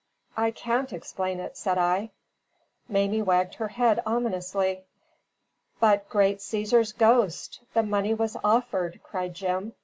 "I can't explain it," said I. Mamie wagged her head ominously. "But, great Caesar's ghost! the money was offered!" cried Jim.